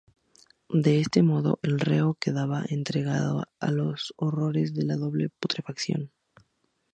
De este modo, el reo quedaba entregado a los horrores de una doble putrefacción.